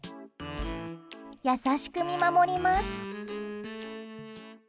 優しく見守ります。